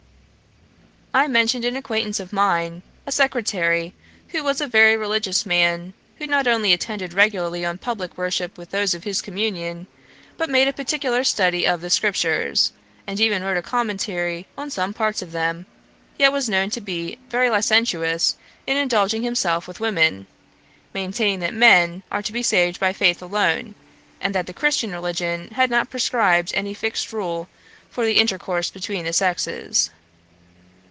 I mentioned an acquaintance of mine, a sectary, who was a very religious man, who not only attended regularly on publick worship with those of his communion, but made a particular study of the Scriptures, and even wrote a commentary on some parts of them, yet was known to be very licentious in indulging himself with women; maintaining that men are to be saved by faith alone, and that the Christian religion had not prescribed any fixed rule for the intercourse between the sexes.